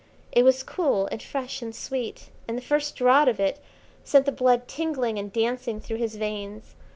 It was cool, and fresh, and sweet, and the first draught of it sent the blood tingling and dancing through his veins.